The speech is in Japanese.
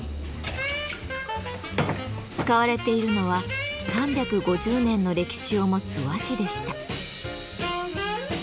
使われているのは３５０年の歴史を持つ和紙でした。